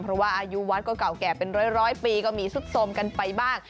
เพราะว่าอายุวัดก็เก่าแก่เป็นร้อยปีก็มีซุดสมกันไปบ้าง